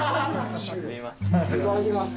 いただきます。